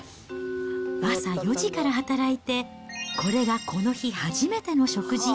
朝４時から働いて、これがこの日初めての食事。